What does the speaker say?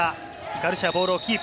ガルシア、ボールをキープ。